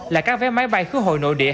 là các vé máy bay khu hội nội địa